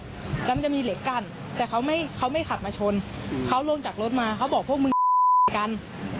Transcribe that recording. แล้วมันจะมีเหล็กกั้นแต่เขาไม่เขาไม่ขับมาชนเขาลงจากรถมาเขาบอกพวกมึงกัน